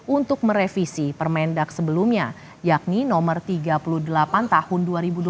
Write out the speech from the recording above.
untuk merevisi permendak sebelumnya yakni no tiga puluh delapan tahun dua ribu dua puluh